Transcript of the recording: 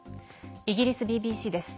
イギリスＢＢＣです。